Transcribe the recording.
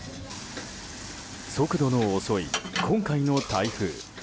速度の遅い、今回の台風。